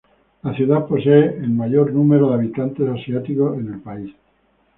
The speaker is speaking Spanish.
La ciudad posee el mayor número de habitantes asiáticos en el país.